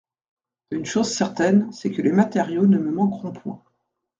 Une chose certaine, c'est que les matériaux ne me manqueront point.